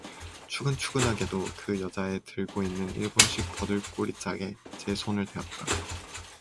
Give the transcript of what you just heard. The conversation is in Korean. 추근추근하게도 그 여자의 들고 있는 일본식 버들고리짝에 제 손을 대었다.